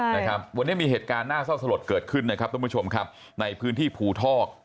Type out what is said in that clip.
นะครับวันนี้มีเหตุการณ์น่าเศร้าสลดเกิดขึ้นนะครับทุกผู้ชมครับในพื้นที่ภูทอก